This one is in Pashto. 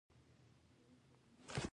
• ته زما د زړګي دروند بار خوږ کړې.